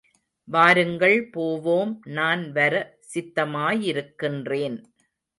வாருங்கள் போவோம் நான் வர சித்தமாயிருக்கின்றேன்.